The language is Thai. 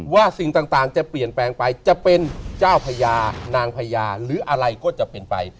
สิ่งต่างจะเปลี่ยนแปลงไปจะเป็นเจ้าพญานางพญาหรืออะไรก็จะเป็นไป